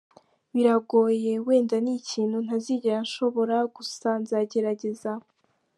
Biragoye, wenda ni ikintu ntazigera nshobora gusa nzagerageza.